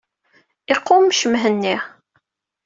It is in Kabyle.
Iqummec Mhenni.